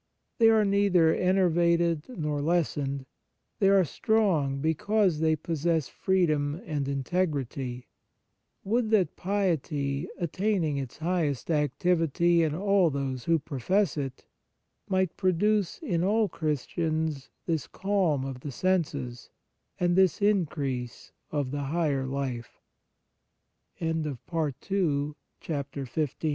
They are neither enervated nor lessened; they are strong, be cause they possess freedom and integrity. Would that piety, attain ing its highest activity in all those who profess it, might produce in all Christians this calm of the senses, and this increase of the hig